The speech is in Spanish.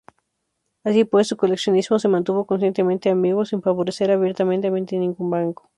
Así pues, su coleccionismo se mantuvo conscientemente ambiguo, sin favorecer abiertamente ningún bando.